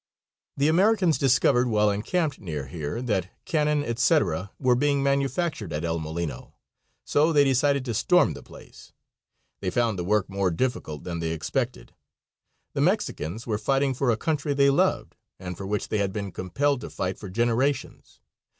The Americans discovered, while encamped near here, that cannon, etc., were being manufactured at El Molino, so they decided to storm the place; they found the work more difficult than they expected. The Mexicans were fighting for a country they loved, and for which they had been compelled to fight for generations.